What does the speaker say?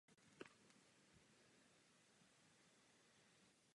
Teče v široké dolině s nízkými břehy.